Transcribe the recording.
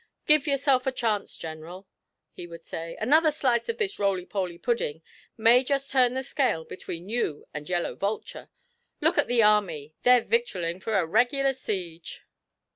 'Give yourself a chance, General,' he would say; 'another slice of this roly poly pudding may just turn the scale between you and Yellow Vulture. Look at the army they're victualling for a regular siege!'